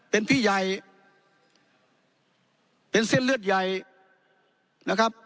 เป็นพี่ใหญ่เป็นเส้นเลือดใหญ่นะครับ